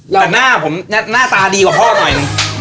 แต่หน้าผมหน้าตาดีกว่าพ่อหน่อยหนึ่ง